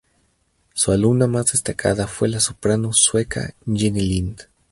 Su alumna más destacada fue la soprano sueca Jenny Lind.